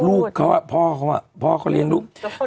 ลูกแฝดชายตัวร้อนกันเนาะ